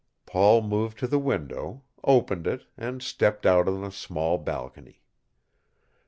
Paul moved to the window, opened it, and stepped out on a small balcony.